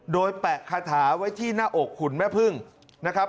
โดยแปะคาถาไว้ที่หน้าอกหุ่นแม่พึ่งนะครับ